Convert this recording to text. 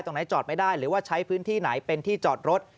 ตรงไหนจอดไม่ได้หรือว่าใช้พื้นที่ไหนเป็นที่จอดรถ